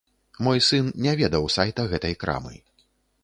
Мой сын не ведаў сайта гэтай крамы.